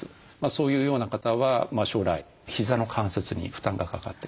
そういうような方は将来ひざの関節に負担がかかってくる。